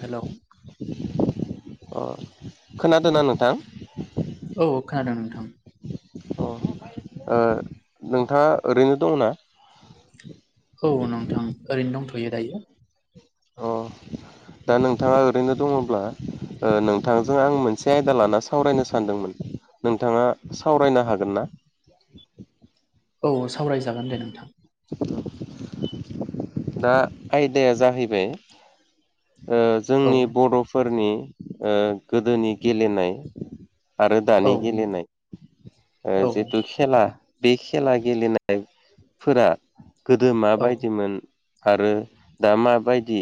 हेल'। अ खोनादोंना नोंथां। औ खोनादों नोंथां। अ ओ नोंथाङा ओरैनो दंना। औ नोंथां ओरैनो दंथ'यो दायो। अ दा नोंथाङा ओरैनो दङब्ला ओ नोंथांजों आं मोनसे आयदा लाना सावरायनो सानदोंमोन। नोंथाङा सावरायनो हागोन ना। औ सावरायजागोन दे नोंथां। दा आयदाया जाहैबाय ओ औ जोंनि बर'फोरनि ओ‌ गोदोनि गेलेनाय आरो दानि औ गेलेनाय ओ औ जिथु खेला बे खेला गेलेनायफोरा गोदो औ माबायदिमोन आरो दा माबायदि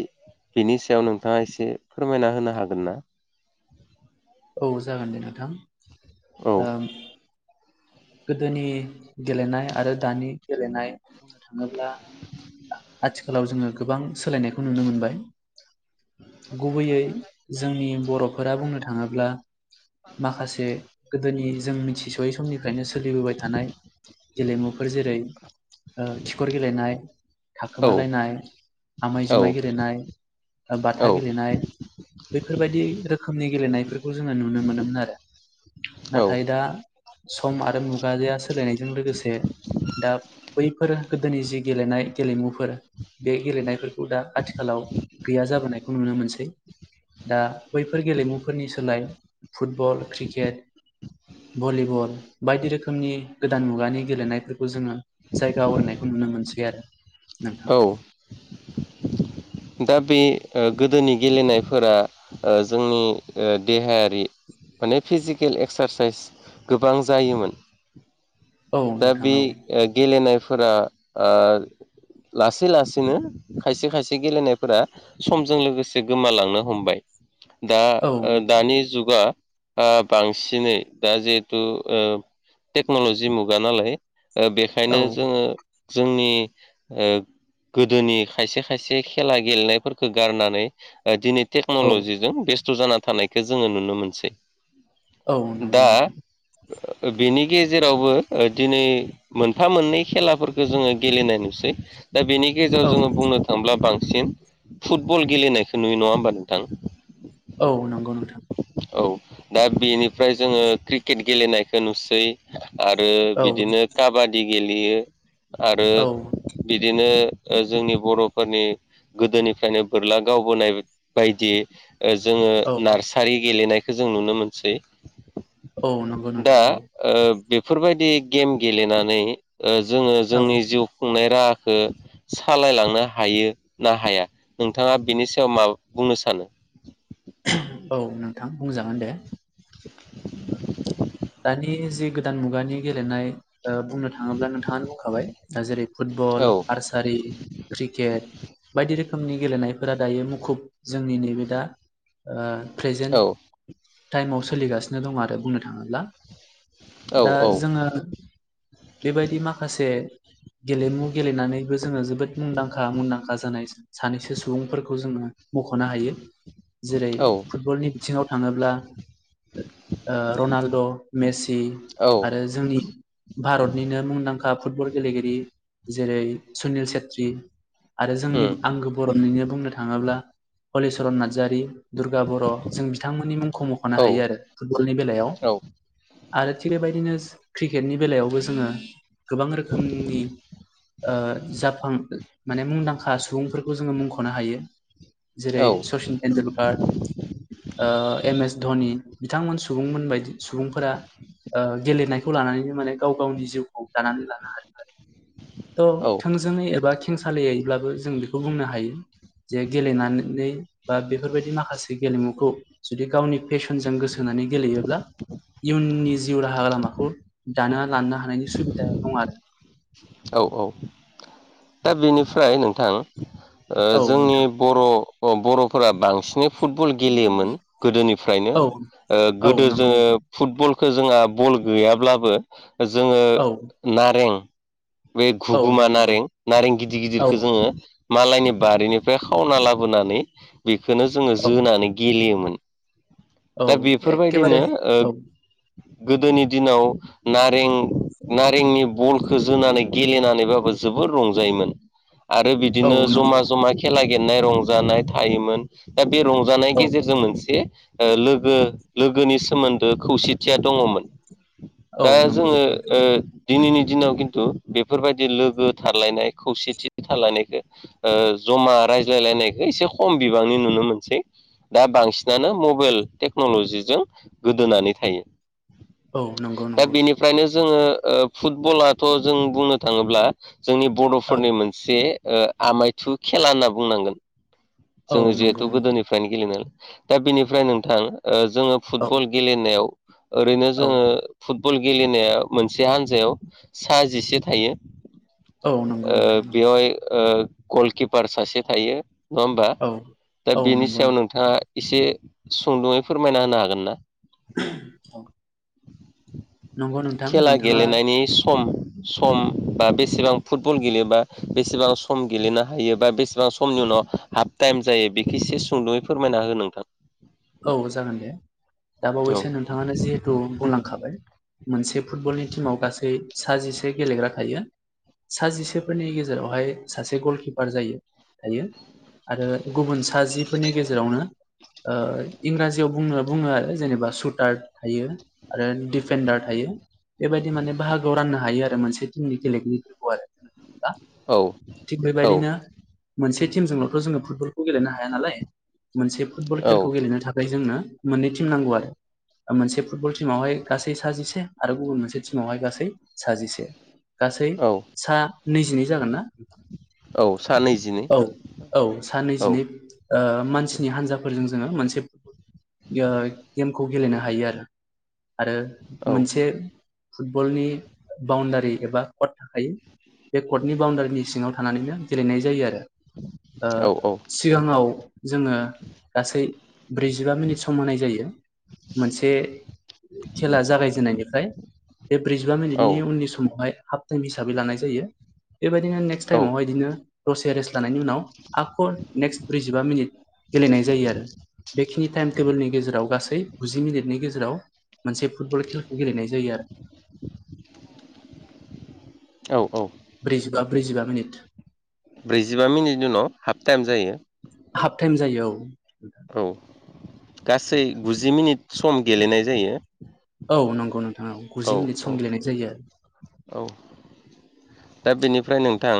बिनि सायाव नोंथाङा एसे फोरमायना होनो हागोन ना? औ जागोन दे नोंथां। औ गोदोनि गेलेनाय आरो दानि गेलेनाय बुंनो थाङोब्ला। आ आथिखालाव जोङो गोबां सोलायनायखौ नुनो मोनबाय। गुबैयै जोंनि बर'फोरा बुंनो थाङोब्ला माखासे गोदोनि जों मिथिसयै स बिदिनो सोलिबोबाय थानाय गेलेमुफोर जेरै ओ थिखर गेलेनाय औ थाखोमालायनाय आमाय जुमाय औ गेलेनाय बाथा औ गेलेनाय बेैफोरबायदि रोखोमनि गेलेनायफोरखौ जोङो नुनो मोनोमोन आरो औ नाथाय दा सम आरो मुगाजाया सोलायनायजों लोगोसे दा बैफोर गोदोनि जि गेलेनाय गेलेमुफोर बे गेलेनायफोरखौ दा आथिखालाव गैया जाबोनायखौ नुनो मोनसै दा बैफोर गेलेमुफोरनि सोलाय फुटबल क्रिकेट भलिबल बायदि रोखोमनि गोदान मुगानि गेलेनायफोरखौ जोङो जायगा आवग्रिनायखौ नुनो मोनसै आरो नोंथां औ दा बे ओ गोदोनि गेलेनायफोरा ओ जोंनि ओ देहायारि माने फिजिकेल एक्सारसाइस गोबां जायोमोन औ दा नोंथां बे औ गेलेनायफोरा ओ लासै लासैनो खायसे खायसे गेलेनायफोरा समजों लोगोसे गोमालांनो हमबाय दा औ ओ नोंथां दानि जुगा ओ बांसिनै दा जिहेथु ओ टेक्न'लजि मुगा नालाय औ बेखायनो जोङो जोंनि ओ गोदोनि खायसे खायसे खेला गेलेनायफोरखौ गारनानै दिनै औ टेक्न'ल'जिजों बेस्थ' जाना थानायखौ जोङो नुनो मोनसै औ नंगौ दा नोंथां बेनि गेजेरावबो दिनै मोनफा मोननै खेलाफोरखौ जोङो गेलेनाय नुसै दा बेनि गेजेराव औ जोङो बुंनो थांब्ला बांसिन बांसिन फुटबल गेलेनायखौ नुयो नङा होमबा नोंथां औ नंगौ नोंथां औ दा बेनिफ्राय जोङो क्रिकेट गेलेनायखौ नुसै आरो आरो औ बिदिनो काबादि गेलेयो आरो औ बिदिनो जोंनि बर'फोरनि गोदोनिफ्रायनो बोरला गावबोनाय बायदि जोङो औ नार्सारि गेलेनायखौ जों नुनो मोनसै औ नंगौ दा नोंथां औ ओ बेफोरबायदि गेम गेलेनानै जोङो औ जोंनि जिउ खुंनाय राहाखौ सालायलांनो हायो ना हाया नोंथाङा बिनि सायाव मा बुंनो सानो [inaudible] औ नोंथां बुंजागोन दे दानि जि गोदान मुगानि गेलेनाय बुंनो थाङोब्ला नोंथाङानो बुंखाबाय जेरै औ फुटबल आर्सारि क्रिकेट बायदि रोखोमनि गेलेनायफोरा दायो मुखुब जोंनि नैबे दा ओ प्रेजेन्ट औ टाइमाव सोलिगासिनो दं आरो बुंनो थाङोब्ला औ दा औ जोङो बेबायदि माखासे गेलेमु गेलेनानैबो जोङो जोबोद मुंदांखा मुंदांखा जानाय सानैसो सुबुंफोरखौ जोङो मख'नो हायो जेरै औ फुटबलनि बिथिङाव थाङोब्ला ओ रनाल्द' मेसि औ आरो जोंनि भारतनिनो मुंदांखा फुटबल गेलेगिरि जेरै सुनिल सेत्री आरो जोंनि उम आंगो बर'निनो बुंनो थाङोब्ला हलिचरन नार्जारि दुर्गा बर' जों बिथांमोननि मुंखौ मख'नो औ हायो आरो फुटबलनि बेलायाव आरो थिग बेबायदिनो क्रिकेटनि बेलायावबो जोङो गोबां रोखोमनि ओ जाफां माने मुंदांखा सुबुंफोरखौ जोङो मुंख'नो हायो जेरै औ सचिन टेन्दुलकार ओ एम एस धनि बिथांमोन सुबुंमोन बायदि सुबुंफोरा ओ गेलेनायखौ लानानैनो माने गाव गावनि जिउखौ दानानै लानो हादों आरो औ थ थोंजोङै एबा खेंसालियैब्लाबो जों बेखौ बुंनो हायो जे गेलेनानै बा बेफोरबायदि माखासे बे गेलेमुखौ जुदि गावनि पेसनजों गोसोन होनानै गेलेयोब्ला इयुननि जिउ राहा लामाखौ दाना लानो हानायनि सुबिदा दं आरो औ औ दा बेनिफ्राय नोंथां ओ औ जोंनि नोंथां बर' बर'फोरा बांसिनै फुटबल गेलेयोमोन गोदोनिफ्रायनो औ औ गोदो नंगौ जोङो नोंथां फुटबल जोंहा बल गैयाब्लाबो जोङो औ नारें बे औ गुगुमा नंगौ नारें नारें गिदिर औ गिदिरखौ जोङो मालायनि बारिनिफ्राय खावना लाबोनानै बेखौनो जोङो औ जोनानै गेलेयोमोन औ दा एखेबारे बेफोरबायदिनो ओ औ गोदोनि दिनाव नारें नारेंनि बलखौ जोनानै गेलेनानैबाबो जोबो बोर रंजायोमोन आरो औ बिदिनो जमा नंगौ जमा खेला गेरनाय रंजानाय थायोमोन दा बे रंजानायनि औ गेजेरजों मोनसे लोगो लोगोनि सोमोन्दो खौसेथिया दङमोन औ दा नंगौ जोङो नोंथां। ओ दिनैनि दिनाव खिन्थु बेफोरबायदि लोगो थारलायनाय खौसेथि थारलायनायखौ ओ जमा रायज्लायलायनायखौ एसे खम बिबांनि नु नो मोनसै दा बांसिनानो मबाइल टेक्न'लजिजों गोदोनानै थायो। औ नंगौ दा नंगौ। बेनिफ्रायनो जोङो ओ फुटबलाथ' जों बुंनो थाङोब्ला जोंनि औ बर'फोरनि मोनसे ओ आमायथु खेला होनना बुंनांगोन औ जोङो जिहेथु नंगौ नंगौ गोदोनिफ्रायनो गेलेनाय दा बेनिफ्राय नोंथां ओ जोङो औ फुटबल गेलेनायाव ओरैनो औ जोङो फुट - बल गेलेनाया मोनसे हान्जायाव सा जिसे थायो। औ नंगौ ओ नोंथां बेवाय ओ गलकिपार सासे थायो नङा होमबा दा औ औ बेनि नंगौ सायाव नोंथां नोंथाङा एसे सुंदुङै फोरमायना होनो हागोन ना? [unintelligible] औ नंगौ नोंथां खेला नोंथाङा गेलेनायनि सम सम बा बेसेबां फुटबल गेलेयोबा बेसेबां सम गेलेनो हायो बा बेसेबां समनि उनाव हाफ टाइम जायो बेखौ एसे सुंदुङै फोरमायना हो नोंथां औ जागोन दे। दा औ बावैसो नोंथाङानो जिहेथु बुंलांखाबाय मोनसे फुटबलनि टिमाव गासै सा जिसे गेलेग्रा थायो। सा जिसेफोरनि गेजेरावहाय सासे गलकिपार जायो थायो। आरो गुबुन सा जिफोरनि गेजेरावनो ओ इंराजियाव बुंनो बुङो आरो जेनेबा सुटार थायो आरो डिफेन्डार थायो। बेबायदि माने बाहागोआव राननो हायो आरो मोनसे टिमनि गेलेगिरिफोरखौ आरो दा औ थिग बेबायदिनो मोनसे टिमजोंल'थ' जोङो फुटबल खौ गेलेनो हाया नालाय मोनसे फुटबल औ खेलखौ गेलेनो था खाय जोंनो मोननै थिम नांगौ आरो। मोनसे फुटबल टिमावहाय गासै सा जिसे आरो गुबुन मोनसे टिमावहाय गासै सा जिसे गासै औ सा नैजिनै जागोन ना औ सा नैजिनै औ औ सा औ नैजिनै ओ मानसिनि हान्जाफोरजों जोङो मोनसे ओ गेमखौ गेलेनो हायो आरो। आरो औ मोनसे फुटबलनि बाउण्डारि एबा कट थाखायो। बे कर्टनि बाउण्डारिनि सिङाव थानानैनो गेलेनाय जायो आरो। ओ औ सिगाङाव जोङो गासै ब्रैजिबा मिनिट सम होनाय जायो। मोनसे खेला जागायजेननायनिफ्राय बे ब्रैजिबा औ मिनिटनि उननि समाव हाय हाफ टाइम हिसाबै लानाय जायो। बेबायदिनो नेक्स्ट औ टाइमावहाय इदिनो दसे रेस्ट लानायनि उनाव आख' नेक्स्ट ब्रैजिबा मिनिट गेलेनाय जायो आरो बेखिनि टाइम टेबोलनि गेजेराव गासै गुजि मिनिटनि गेजेराव मोनसे फुटबल खेलाखौ गेलेनाय जायो आरो। औ औ ब्रैजिबा ब्रैजिबा मिनिट ब्रैजिबा मिनिटनि उनाव हाफ टाइम जायो। हाफ टाइम जायो औ औ गासै गुजि मिनिट सम गेलेनाय जायो। औ नंगौ नों औ औ औ दा बेनिफ्राय नोंथां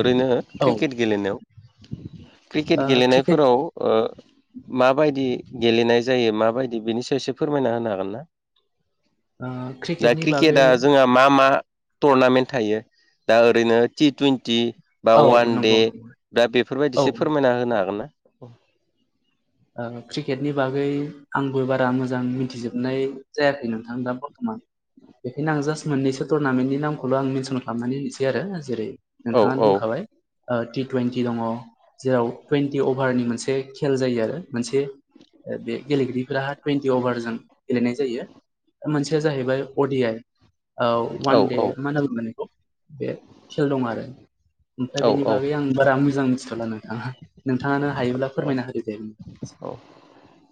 ओरैनो औ ओ क्रिकेट गेलेनायाव क्रिकेट क्रिकेट गेलेनायफोराव ओ माबायदि गेलेनाय जायो माबायदि बिनि सायाव एसे फोरमायना होनो हागोन ना? ओ दा क्रिकेटनि बागै क्रिकेटआ जोंहा मा मा टरनामेन्ट थायो। दा ओरैनो टि टुइन्टि बा औ अवान दे नंगौ नंगौ दा औ ओ बेफोरबायदिसो फोरमायना होनो हागोन ना? औ ओ क्रिकेटनि बागै आंबो बारा मोजां मिथिजोबनाय जायाखै नोंथां दा बर्थमान बेखायनो आं जास्ट मोननैसो टर नामेन्टनि नामखौल' आं मेनसन खालामनानै होनोसै आरो जेरै औ नोंथाङानो बुंखाबाय ओ टि टुइन्टि दङ जेराव टुइन्टि अभारनि मोनसे खेल जायो आरो मोनसे ओ बे गेलेगिरिफोरा टुइन्टि अभारजों गेलेनाय जायो। ओ मोनसेया जाहैबाय अडि आइ औ औ अवान दे मा होनना बुंगोन बेखौ बे खेल दं आरो ओमफ्राय औ बेनि बागै आं बारा मोजां मिथिथ'ला नोंथाङा नोंथाङानो हायोब्ला फोरमायना होदो दे उम अ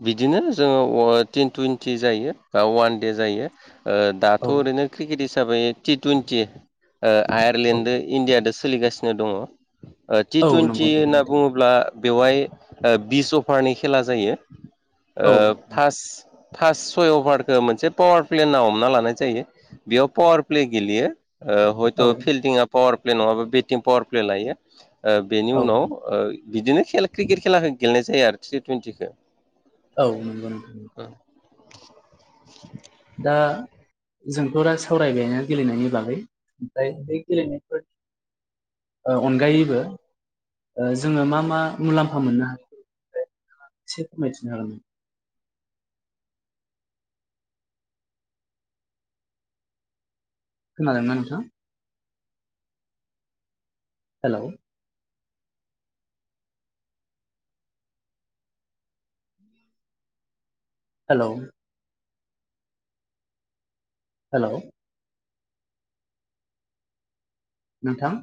बिदिनो जोङो अ टिन टुइन्टि जायो बा अवान दे जायो। ओ दाथ' औ ओरैनो क्रिकेट हिसाबै टि टुइन्टि ओ औ आयारलेण्डदो इण्डियादो स सोलिगासिनो दङ ओ टि औ टुइन्टि नंगौ नंगौ होनना नोंथां बुङोब्ला बेवहाय ओ बिस अफ हरनि खेला जायो औ ओ फास फास सय अभारखो मोनसे पावार प्ले होन्ना हमना लानाय जायो बेयाव पावार प्ले गेलेयो। ओ हयट' औ फिल्डिंआ पावार प्ले नङाबा बेटिं पावार प्ले लायो। ओ बेनि औ उनाव ओ बिदिनो खेल क्रिकेट खेलाखो गेलेनाय जायो आरो टि टुइन्टिखो। औ नंगौ नोंथां। [inaudible] दा जोंथ' दा सावरायबायाना गेलेनायनि बागै ओमफ्राय बै गेलेनायफोर ओ अनगायैबो ओ जोङो मा मा मुलाम्फा मोननो हा यो [unintelligible] नोंथाङा बे बायदिनो ओं [inaudible] खोनादोंना नोंथां? हेलौ हेलौ हेलौ नोंथां